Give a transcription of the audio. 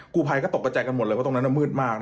กูภัยก็ตกกระใจกันหมดเลยเพราะตรงนั้นมืดมาก